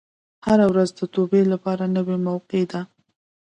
هره ورځ د توبې لپاره نوې موقع ده.